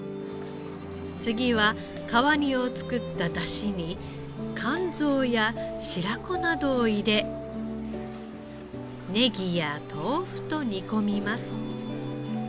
次は川煮を作った出汁に肝臓や白子などを入れネギや豆腐と煮込みます。